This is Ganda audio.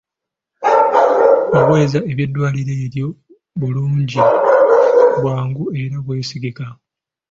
Obuweereza bw'eddwaliro eryo bulungi, bwangu era bwesigika.